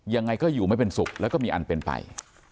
ยังไงก็อยู่ไม่เป็นสุขแล้วก็มีอันเป็นไป